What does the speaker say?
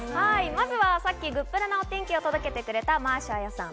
まずはさっきグップラなお天気を届けてくれたマーシュ彩さん